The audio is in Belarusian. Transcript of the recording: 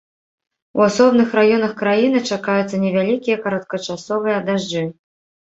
У асобных раёнах краіны чакаюцца невялікія кароткачасовыя дажджы.